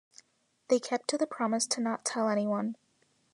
They kept to the promise to not tell anyone.